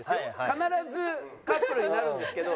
必ずカップルになるんですけど。